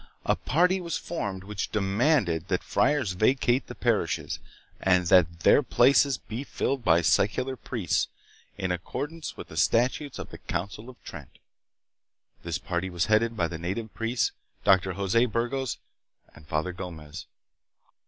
A party was formed which demanded that the friars vacate the parishes, and that their places be filled by secular priests, in accordance with the statutes of the Council of Trent. This party was headed by the native priests, Dr. Jose Burgos, and Father Gomez.